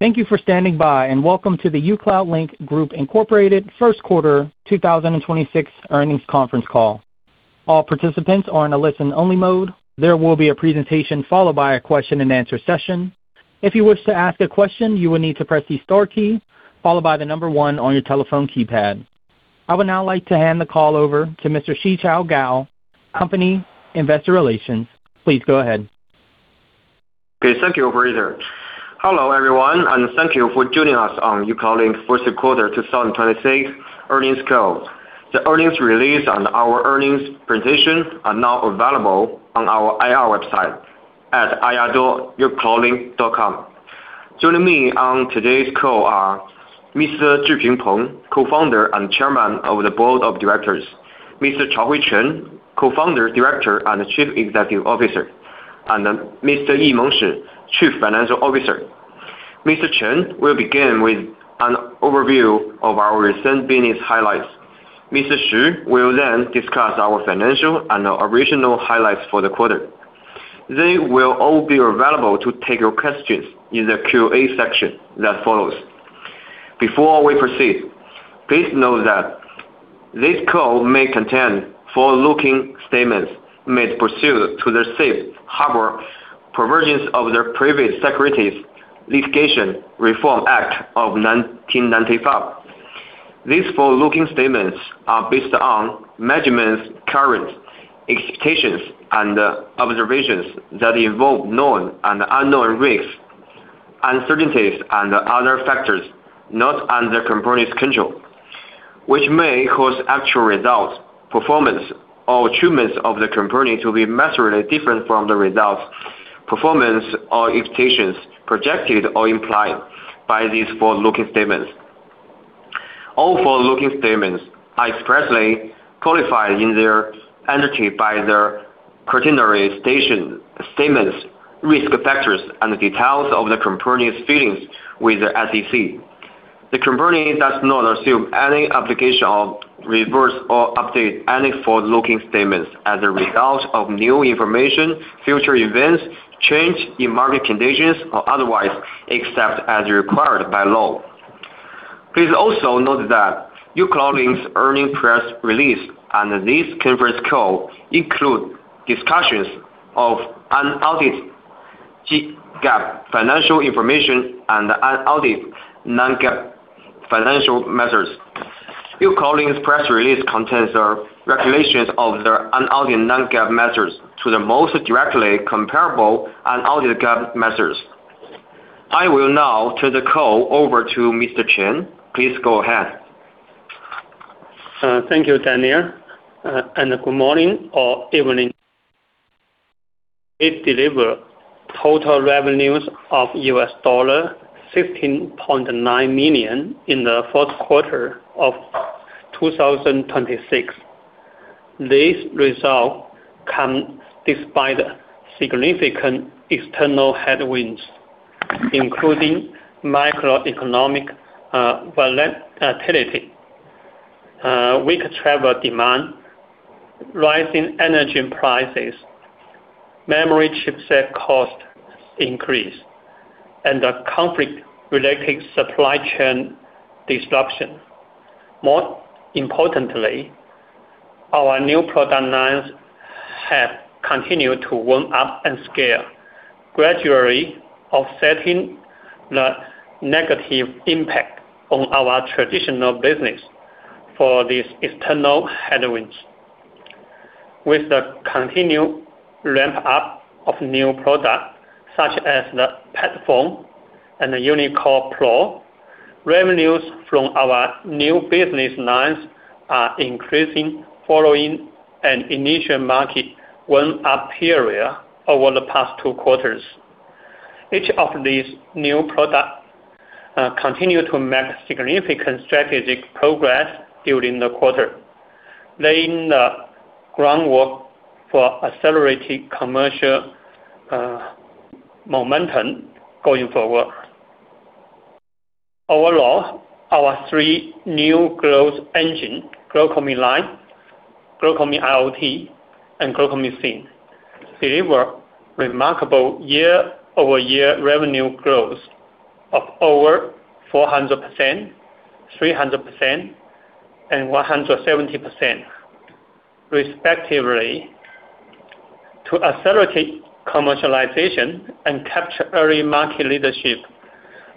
Thank you for standing by, and welcome to the uCloudlink Group Inc Q1 2026 Earnings Conference Call. All participants are in a listen only mode. There will be a presentation followed by a question and answer session. If you wish to ask a question, you will need to press the star key followed by the number one on your telephone keypad. I would now like to hand the call over to Mr. Daniel Gao, Company Investor Relations. Please go ahead. Okay. Thank you, operator. Hello, everyone, and thank you for joining us on uCloudlink Q1 2026 Earnings Call. The earnings release and our earnings presentation are now available on our IR website at ir.ucloudlink.com. Joining me on today's call are Mr. Zhiping Peng, Co-founder and Chairman of the Board of Directors, Mr. Chaohui Chen, Co-founder, Director, and Chief Executive Officer, and Mr. Yimeng Shi, Chief Financial Officer. Mr. Chen will begin with an overview of our recent business highlights. Mr. Shi will then discuss our financial and original highlights for the quarter. They will all be available to take your questions in the Q&A section that follows. Before we proceed, please note that this call may contain forward-looking statements made pursuant to the safe harbor provisions of the Private Securities Litigation Reform Act of 1995. These forward-looking statements are based on management's current expectations and observations that involve known and unknown risks, uncertainties and other factors not under company's control, which may cause actual results, performance, or achievements of the company to be materially different from the results, performance, or expectations projected or implied by these forward-looking statements. All forward-looking statements are expressly qualified in their entirety by the cautionary statements, risk factors, and details of the company's filings with the SEC. The company does not assume any obligation of reverse or update any forward-looking statements as a result of new information, future events, change in market conditions, or otherwise, except as required by law. Please also note that uCloudlink's earning press release and this conference call include discussions of unaudited GAAP financial information and unaudited non-GAAP financial measures. uCloudlink's press release contains a reconciliation of the unaudited non-GAAP measures to the most directly comparable unaudited GAAP measures. I will now turn the call over to Mr. Chen. Please go ahead. Thank you, Daniel, good morning or evening. We delivered total revenues of $15.9 million in the Q1 of 2026. This result come despite significant external headwinds, including macroeconomic volatility, weak travel demand, rising energy prices, memory chipset cost increase, and the conflict-related supply chain disruption. More importantly, our new product lines have continued to warm up and scale, gradually offsetting the negative impact on our traditional business for these external headwinds. With the continued ramp-up of new products, such as the PetPogo and UniCord Pro, revenues from our new business lines are increasing following an initial market ramp-up period over the past two quarters. Each of these new products, continue to make significant strategic progress during the quarter, laying the groundwork for accelerated commercial momentum going forward. Overall, our three new growth engine, GlocalMe Life, GlocalMe IoT, and GlocalMe SIM deliver remarkable year-over-year revenue growth of over 400%, 300%, and 170% respectively. To accelerate commercialization and capture early market leadership,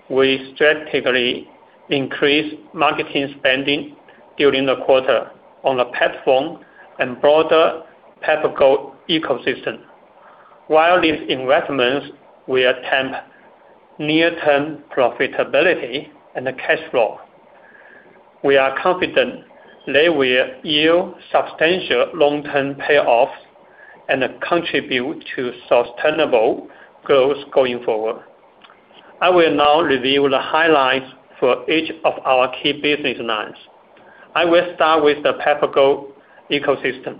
we strategically increased marketing spending during the quarter on the platform and broader PetPogo ecosystem. While these investments will temper near-term profitability and cash flow, we are confident they will yield substantial long-term payoffs and contribute to sustainable growth going forward. I will now review the highlights for each of our key business lines. I will start with the PetPogo ecosystem.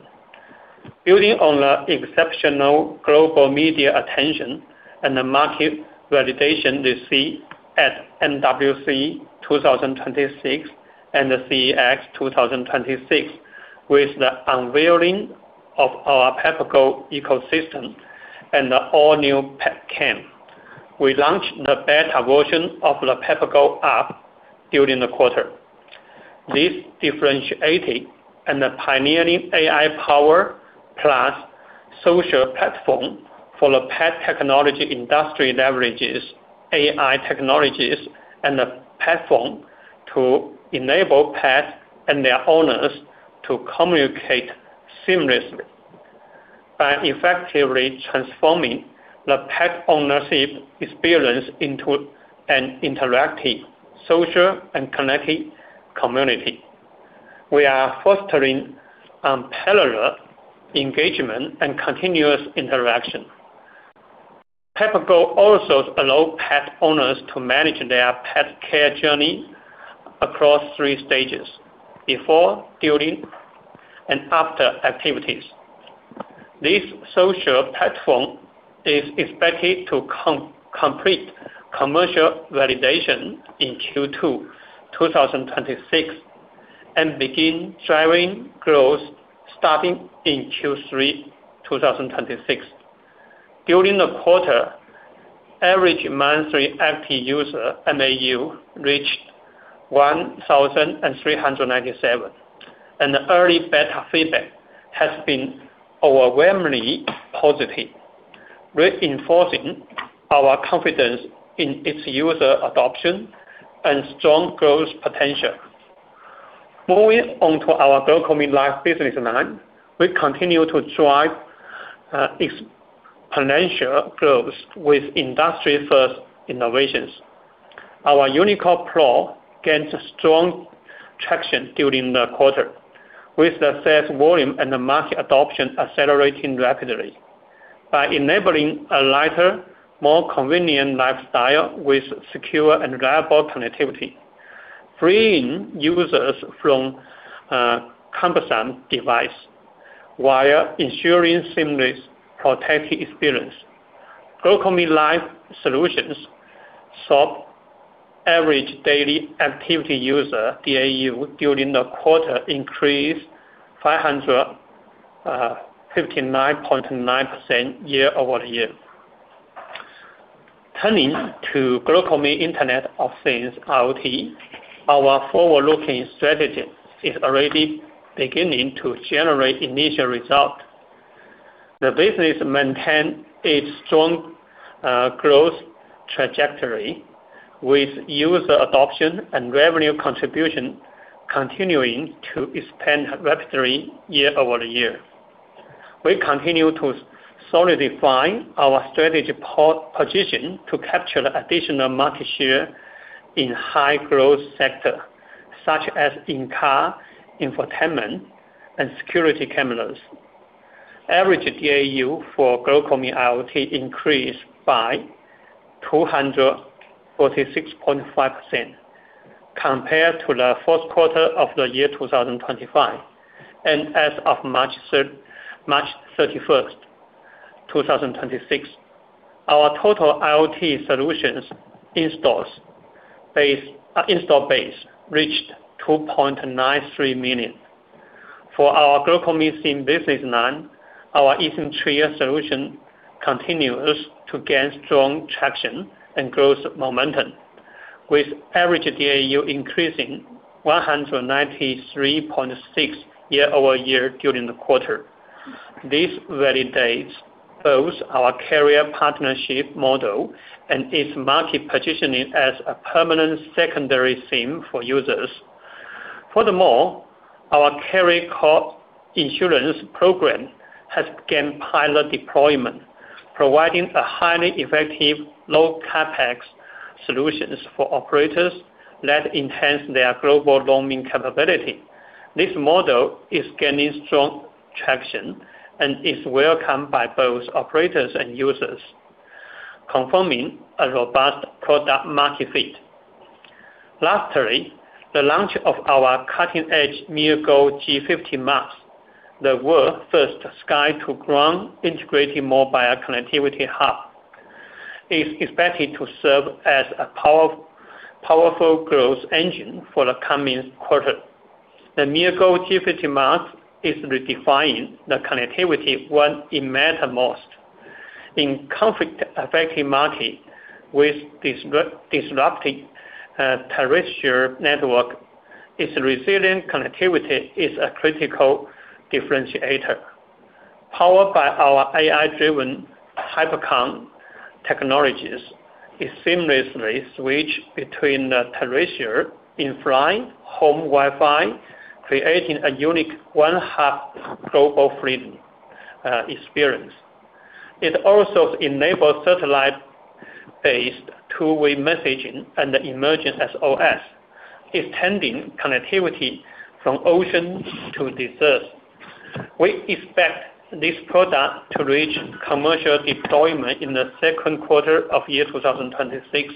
Building on the exceptional global media attention and the market validation we see at MWC 2026 and CES 2026, with the unveiling of our PetPogo ecosystem and the all new PetCam. We launched the beta version of the PetPogo app during the quarter. This differentiated and the pioneering AI-powered social platform for the pet technology industry leverages AI technologies and the platform to enable pets and their owners to communicate seamlessly. By effectively transforming the pet ownership experience into an interactive, social, and connected community. We are fostering parallel engagement and continuous interaction. PetPogo also allow pet owners to manage their pet care journey across three stages, before, during, and after activities. This social platform is expected to complete commercial validation in Q2 2026 and begin driving growth starting in Q3 2026. During the quarter, average monthly active user, MAU, reached 1,397, and the early beta feedback has been overwhelmingly positive, reinforcing our confidence in its user adoption and strong growth potential. Moving on to our GlocalMe Life business line, we continue to drive exponential growth with industry-first innovations. Our UniCord Pro gains strong traction during the quarter, with the sales volume and the market adoption accelerating rapidly. By enabling a lighter, more convenient lifestyle with secure and reliable connectivity, freeing users from cumbersome device while ensuring seamless protected experience. GlocalMe Life solutions saw average daily active user, DAU, during the quarter increase 559.9% year-over-year. Turning to GlocalMe Internet of Things, IoT, our forward-looking strategy is already beginning to generate initial result. The business maintain its strong growth trajectory with user adoption and revenue contribution continuing to expand rapidly year-over-year. We continue to solidify our strategy position to capture the additional market share in high growth sector, such as in-car infotainment and security cameras. Average DAU for GlocalMe IoT increased by 246.5% compared to Q4 of 2025. As of March 31st, 2026, our total IoT solutions install base reached 2.93 million. For our GlocalMe SIM business line, our eSIM TRIO solution continues to gain strong traction and growth momentum, with average DAU increasing 193.6% year-over-year during the quarter. This validates both our carrier partnership model and its market positioning as a permanent secondary SIM for users. Our carrier co-issuance program has gained pilot deployment, providing a highly effective low CapEx solutions for operators that enhance their global roaming capability. This model is gaining strong traction and is welcomed by both operators and users, confirming a robust product market fit. Lastly, the launch of our cutting-edge MeowGo G50 Max, the world-first sky-to-ground integrated mobile connectivity hub, is expected to serve as a powerful growth engine for the coming quarter. The MeowGo G50 Max is redefining the connectivity when it matter most. In conflict-affected market with disrupted terrestrial network, its resilient connectivity is a critical differentiator. Powered by our AI-driven HyperConn technologies, it seamlessly switch between the terrestrial in-flight home Wi-Fi, creating a unique one-hop global freedom experience. It also enables satellite-based two-way messaging and emergency SOS, extending connectivity from ocean to desert. We expect this product to reach commercial deployment in the Q2 of 2026.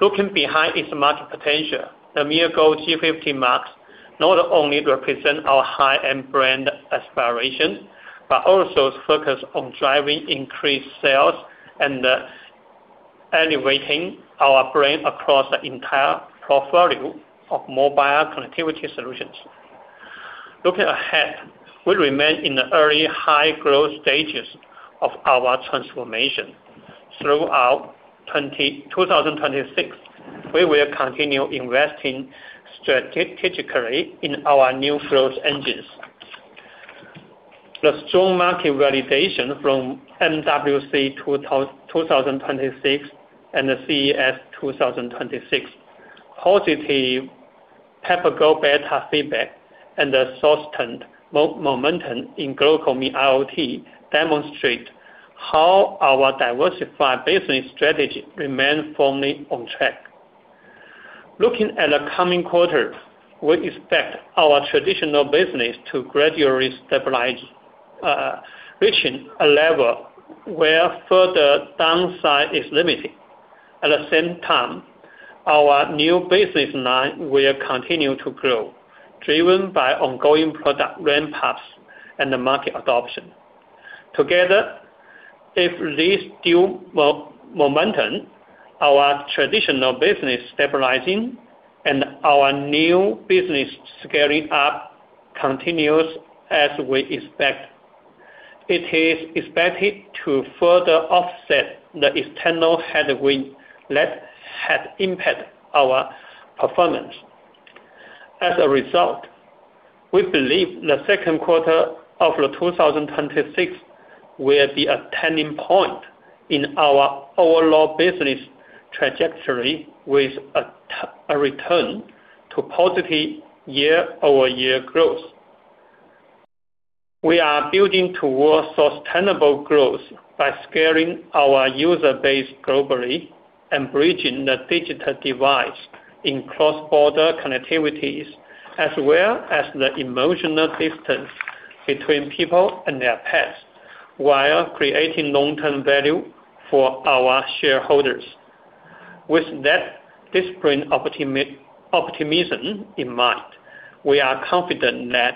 Looking behind its market potential, the MeowGo G50 Max not only represent our high-end brand aspiration, but also focus on driving increased sales and elevating our brand across the entire portfolio of mobile connectivity solutions. Looking ahead, we remain in the early high growth stages of our transformation. Throughout 2026, we will continue investing strategically in our new growth engines. The strong market validation from MWC 2026 and CES 2026, positive PetPogo beta feedback, and the sustained momentum in GlocalMe IoT demonstrate how our diversified business strategy remains firmly on track. Looking at the coming quarters, we expect our traditional business to gradually stabilize, reaching a level where further downside is limited. At the same time, our new business line will continue to grow, driven by ongoing product ramp-ups and the market adoption. Together, if these dual momentum, our traditional business stabilizing and our new business scaling up, continues as we expect, it is expected to further offset the external headwind that had impacted our performance. As a result, we believe the Q2 of 2026 will be a turning point in our overall business trajectory with a return to positive year-over-year growth. We are building towards sustainable growth by scaling our user base globally and bridging the digital divide in cross-border connectivities as well as the emotional distance between people and their pets while creating long-term value for our shareholders. With that disciplined optimism in mind, we are confident that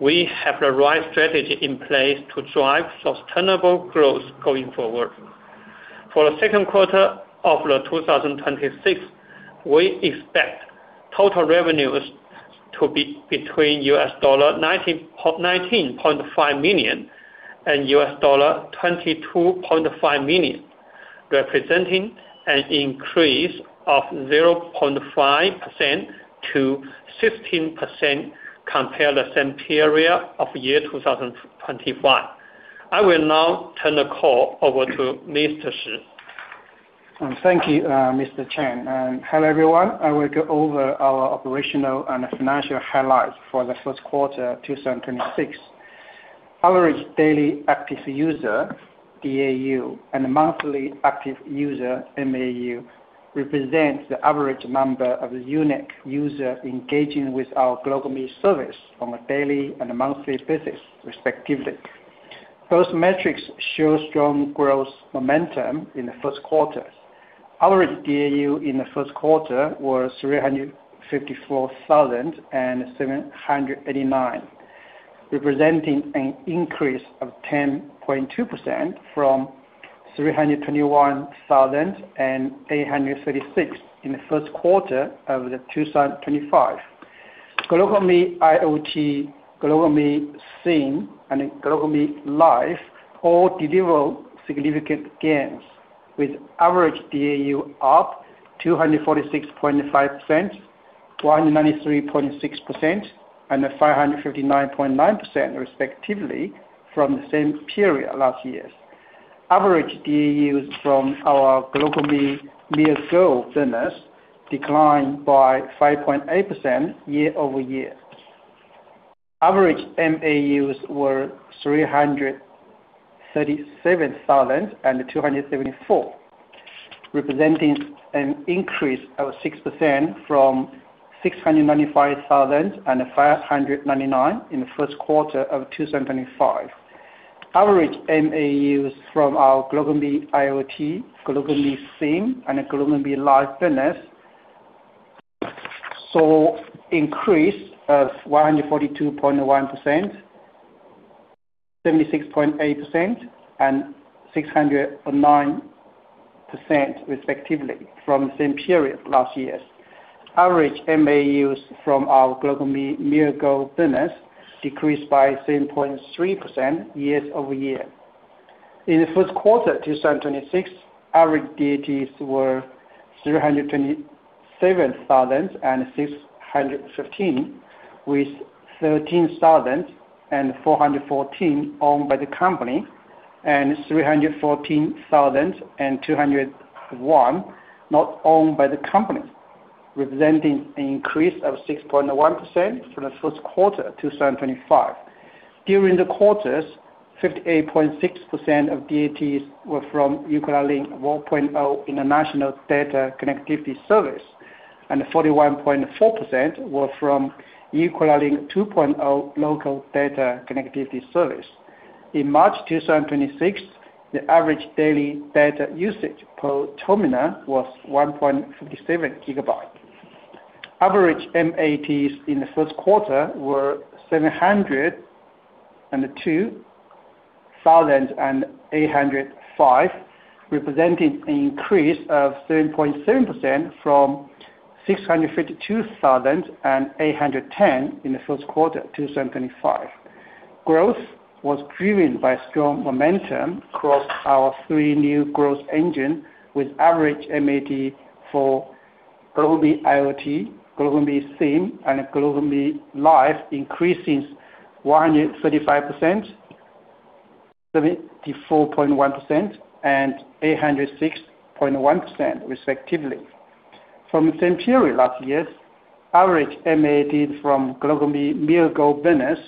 we have the right strategy in place to drive sustainable growth going forward. For the Q2 of 2026, we expect total revenues to be between $19.5 million and $22.5 million, representing an increase of 0.5%-16% compared the same period of 2025. I will now turn the call over to Mr. Shi. Thank you, Mr. Chen. Hello, everyone. I will go over our operational and financial highlights for the Q1 2026. Average daily active user, DAU, and monthly active user, MAU, represents the average number of unique user engaging with our GlocalMe service on a daily and a monthly basis, respectively. Those metrics show strong growth momentum in Q1. Average DAU in the Q1 was 354,789, representing an increase of 10.2% from 321,836 in Q1 of 2025. GlocalMe IoT, GlocalMe SIM, and GlocalMe Life all deliver significant gains with average DAU up 246.5%, 193.6%, and 559.9% respectively from the same period last year. Average DAUs from our GlocalMe MeowGo business declined by 5.8% year-over-year. Average MAUs were 337,274, representing an increase of 6% from 695,599 in the Q1 of 2025. Average MAUs from our GlocalMe IoT, GlocalMe SIM, and GlocalMe Life business saw increase of 142.1%, 76.8%, and 609% respectively from the same period last year. Average MAUs from our GlocalMe MeowGo business decreased by 7.3% year-over-year. In the Q1 2026, average DATs were 327,615, with 13,414 owned by the company and 314,201 not owned by the company, representing an increase of 6.1% from Q1 2025. During the quarters, 58.6% of DATs were from uCloudlink 1.0 international data connectivity service, and 41.4% were from uCloudlink 2.0 local data connectivity service. In March 2026, the average daily data usage per terminal was 1.57GB. Average MATs in Q1 were 702,805, representing an increase of 7.7% from 652,810 in the Q1 2025. Growth was driven by strong momentum across our three new growth engine, with average MAT for GlocalMe IoT, GlocalMe SIM, and GlocalMe Life increases 135%, 74.1%, and 806.1% respectively. From the same period last year, average MAT from GlocalMe MeowGo business,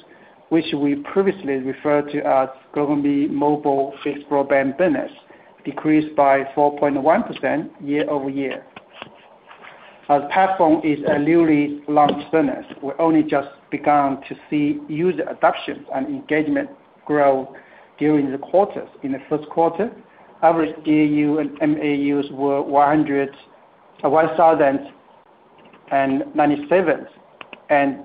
which we previously referred to as GlocalMe mobile/fixed broadband business, decreased by 4.1% year-over-year. As Platform is a newly launched business, we only just begun to see user adoption and engagement grow during the quarters. In the Q1, average DAU and MAUs were 1,097 and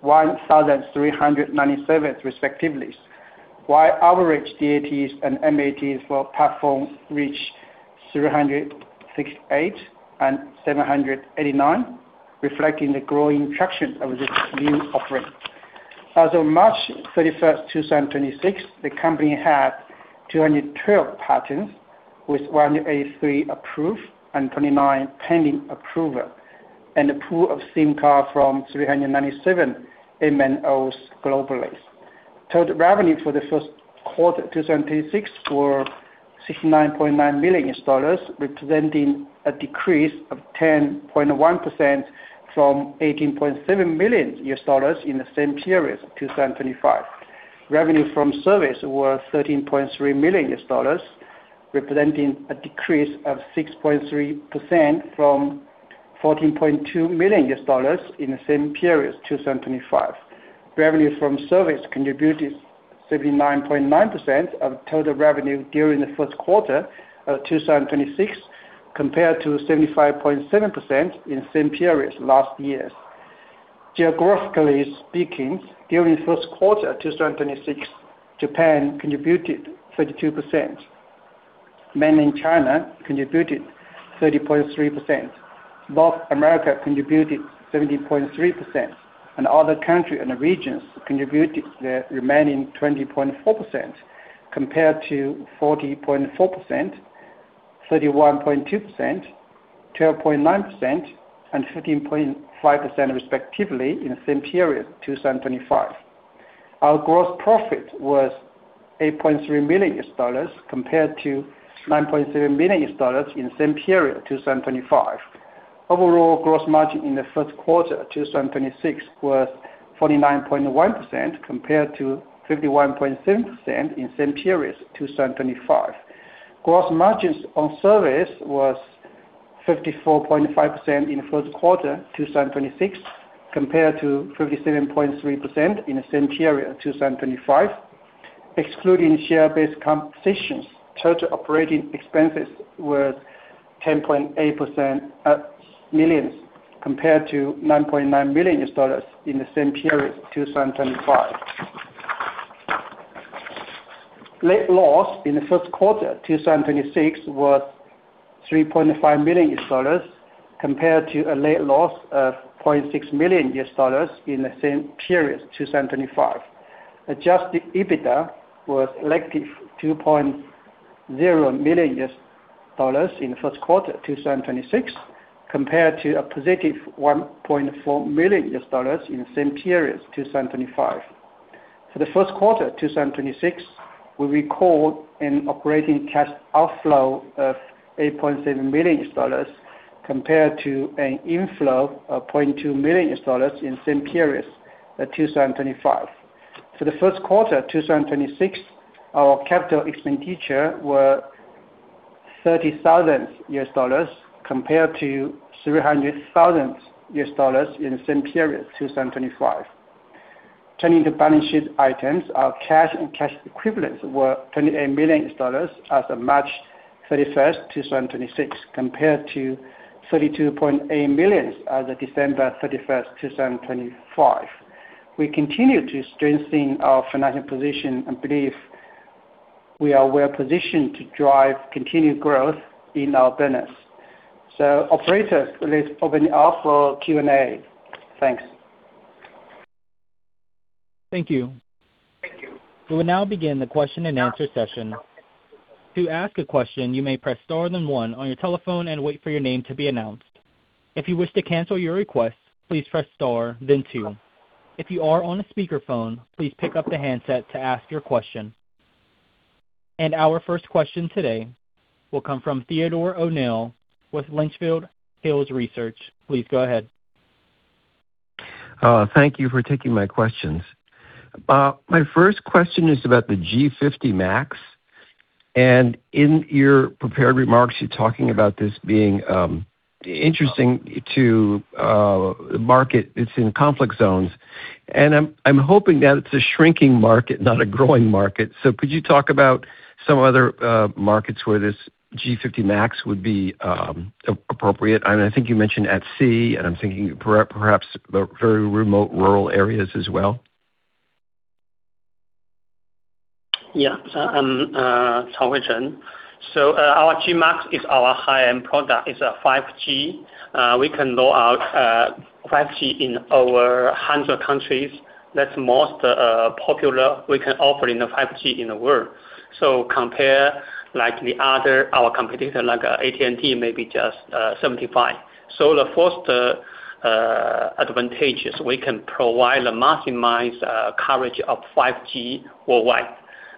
1,397 respectively. While average DATs and MATs for Platform reached 368 and 789, reflecting the growing traction of this new offering. As of March 31, 2026, the company had 212 patents with 183 approved and 29 pending approval, and a pool of SIM cards from 397 MNOs globally. Total revenue for the Q1 2026 were $69.9 million, representing a decrease of 10.1% from $18.7 million in the same period 2025. Revenue from service was $13.3 million, representing a decrease of 6.3% from $14.2 million in the same period 2025. Revenue from service contributed 79.9% of total revenue during the Q1 of 2026, compared to 75.7% in same period last year. Geographically speaking, during the Q1 2026, Japan contributed 32%, Mainland China contributed 30.3%, North America contributed 17.3%, and other country and regions contributed the remaining 20.4%, compared to 40.4%, 31.2%, 12.9%, and 15.5% respectively in the same period, 2025. Our gross profit was $8.3 million compared to $9.7 million in the same period, 2025. Overall gross margin in Q1 2026 was 49.1% compared to 51.7% in same period, 2025. Gross margins on service was 54.5% in the Q1 2026 compared to 57.3% in the same period, 2025. Excluding share-based compensations, total operating expenses was $10.8 million compared to $9.9 million in the same period, 2025. Net loss in the Q1 2026 was $3.5 million compared to a net loss of $0.6 million in the same period, 2025. Adjusted EBITDA was negative $2.0 million in the Q1 2026 compared to a positive $1.4 million in the same period, 2025. For the Q1 2026, we record an operating cash outflow of $8.7 million compared to an inflow of $0.2 million in same period, 2025. For the Q1 2026, our capital expenditure were $30,000 compared to $300,000 in the same period, 2025. Turning to balance sheet items. Our cash and cash equivalents were $28 million as of March 31, 2026, compared to $32.8 million as of December 31, 2025. We continue to strengthen our financial position and believe we are well-positioned to drive continued growth in our business. Operator, please open it up for Q&A. Thanks. Thank you. Thank you. We will now begin the question and answer session. To ask a question, you may press star then one on your telephone and wait for your name to be announced. If you wish to cancel your request, please press star then two. If you are on a speakerphone, please pick up the handset to ask your question. Our first question today will come from Theodore O'Neill with Litchfield Hills Research. Please go ahead. Thank you for taking my questions. My first question is about the G50 Max. In your prepared remarks, you're talking about this being interesting to market it's in conflict zones. I'm hoping that it's a shrinking market, not a growing market. Could you talk about some other markets where this G50 Max would be appropriate? I think you mentioned at sea, and I'm thinking perhaps the very remote rural areas as well. Yeah. Our MeowGo G50 Max is our high-end product. It's a 5G. We can roll out 5G in over 100 countries. That's most popular we can offer in the 5G in the world. Compare like the other, our competitor like AT&T, maybe just 75. The first advantageous, we can provide the maximize coverage of 5G worldwide.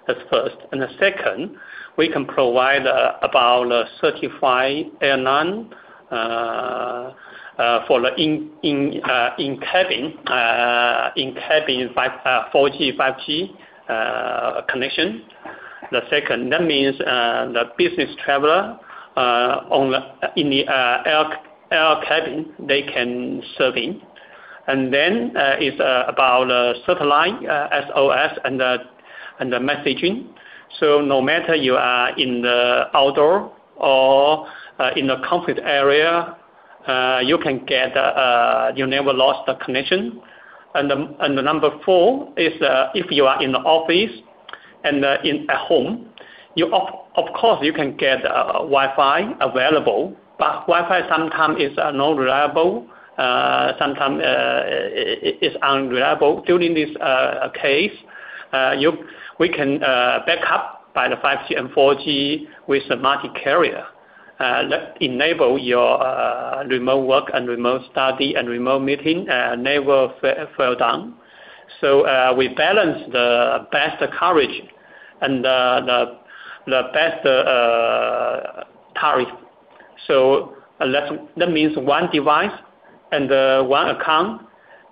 That's first. The second, we can provide about certified airline for the in cabin 4G, 5G connection. The second, that means the business traveler on the air cabin, they can serve in. Then it's about satellite SOS and the messaging. No matter you are in the outdoor or in the comfort area, you never lost the connection. The number four is, if you are in the office and at home, you of course, you can get Wi-Fi available, but Wi-Fi sometime is not reliable. Sometime is unreliable. During this case, we can back up by the 5G and 4G with the multi carrier that enable your remote work and remote study and remote meeting never fail down. We balance the best coverage and the best tariff. That means one device and one account,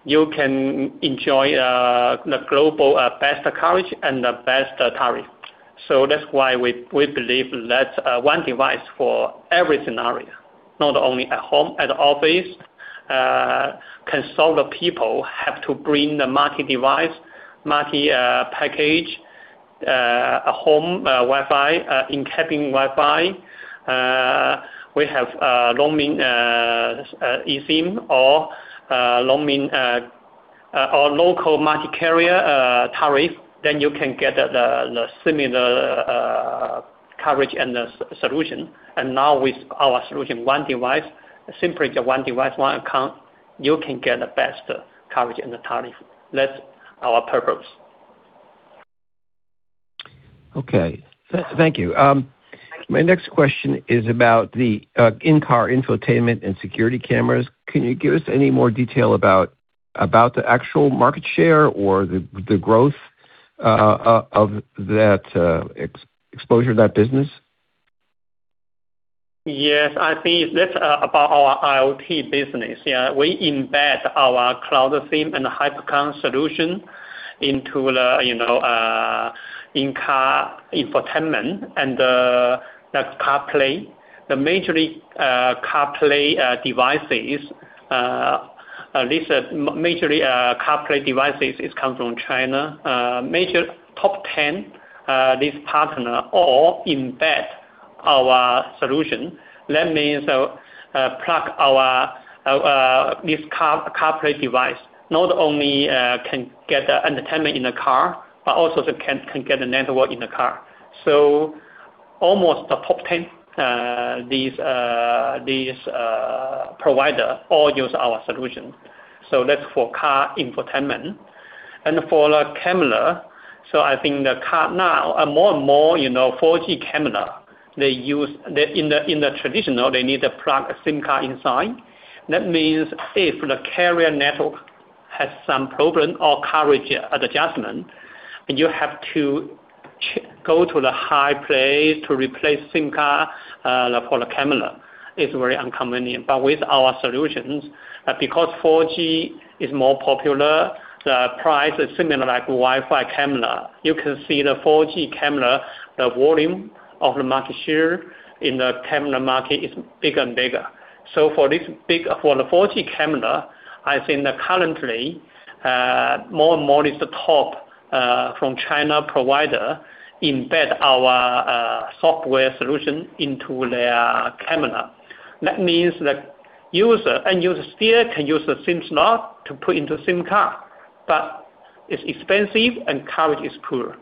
you can enjoy the global best coverage and the best tariff. That's why we believe that one device for every scenario, not only at home, at the office, can solve the people have to bring the multi device, multi package, home Wi-Fi, in cabin Wi-Fi. We have roaming eSIM or roaming or local multi carrier tariff. You can get the similar coverage and the solution. Now with our solution, one device, simply the one device, one account, you can get the best coverage and the tariff. That's our purpose. Okay. Thank you. My next question is about the in-car infotainment and security cameras. Can you give us any more detail about the actual market share or the growth of that exposure to that business? Yes. I think that's about our IoT business. We embed our Cloud SIM and HyperConn solution into the, you know, in-car infotainment and the CarPlay. The majorly CarPlay devices, this majorly CarPlay devices is come from China. Major top 10, this partner all embed our solution. That means, plug our this CarPlay device not only can get the entertainment in the car, but also can get the network in the car. Almost the top 10, these provider all use our solution. That's for car infotainment. For camera, I think the car now are more and more, you know, 4G camera. They use. In the traditional, they need to plug a SIM card inside. That means if the carrier network has some problem or coverage adjustment, you have to go to the high place to replace SIM card for the camera. It's very inconvenient. With our solutions, because 4G is more popular, the price is similar like Wi-Fi camera. You can see the 4G camera, the volume of the market share in the camera market is bigger and bigger. For the 4G camera, I think that currently, more and more is the top from China provider embed our software solution into their camera. That means the user, end user still can use the SIM slot to put into SIM card, but it's expensive and coverage is poor.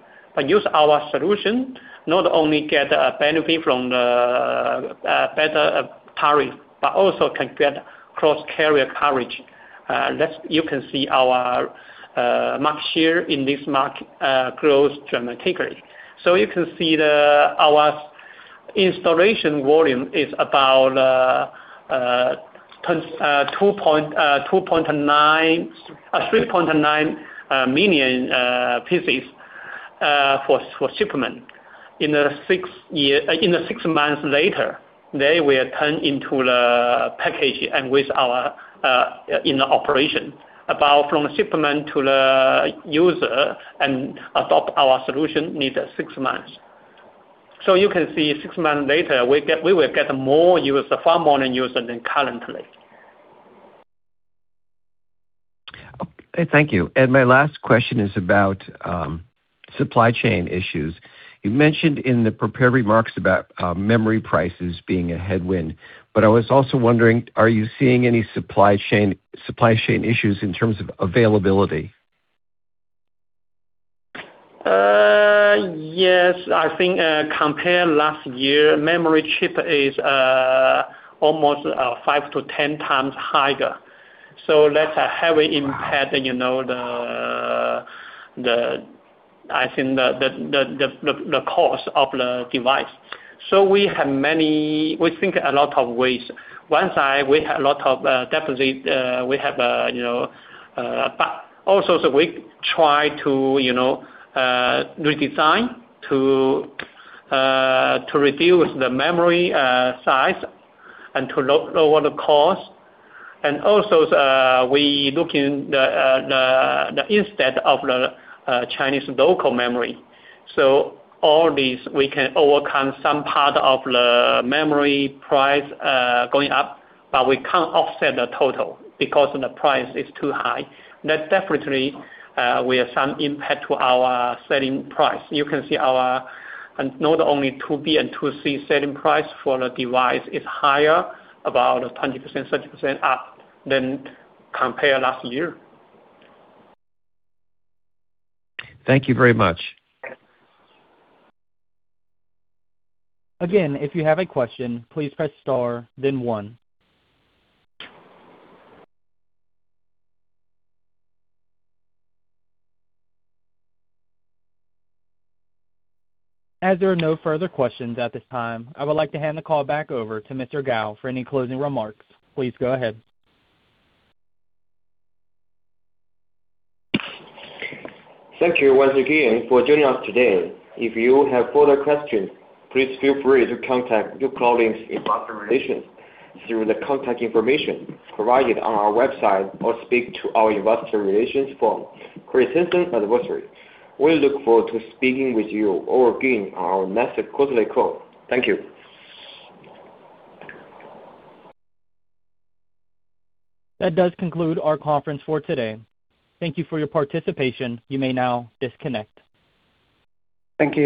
Use our solution, not only get a benefit from the better tariff, but also can get cross-carrier coverage. You can see our market share in this market grows dramatically. You can see our installation volume is about 3.9 million pieces for shipment. In the six months later, they will turn into the package and with our operation. From shipment to the user and adopt our solution needs six months. You can see six months later, we will get far more user than currently. Okay, thank you. My last question is about supply chain issues. You mentioned in the prepared remarks about memory prices being a headwind, but I was also wondering, are you seeing any supply chain issues in terms of availability? Yes. I think, compared last year, memory chip is almost five to 10x higher. That's a heavy impact, you know, I think the cost of the device. We have many ways. One side, we have a lot of deficit. We have, you know, but also, we try to, you know, redesign to reduce the memory size and to lower the cost. Also, we look in the instead of the Chinese local memory. All these we can overcome some part of the memory price going up, but we can't offset the total because the price is too high. That definitely will some impact to our selling price. Not only 2B and 2C selling price for the device is higher, about 20%, 30% up than compared last year. Thank you very much. Again, if you have a question, please press star then one. As there are no further questions at this time, I would like to hand the call back over to Mr. Gao for any closing remarks. Please go ahead. Thank you once again for joining us today. If you have further questions, please feel free to contact uCloudlink's investor relations through the contact information provided on our website or speak to our investor relations firm, Christensen & Associates. We look forward to speaking with you again on our next quarterly call. Thank you. That does conclude our conference for today. Thank you for your participation. You may now disconnect. Thank you.